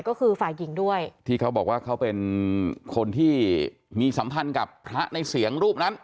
ก็คือฝ่ายหญิงด้วยที่เขาบอกว่าเขาเป็นคนที่มีสัมพันธ์กับพระในเสียงรูปนั้น